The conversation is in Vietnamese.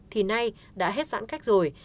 thì nay đã hết giãn cách rồi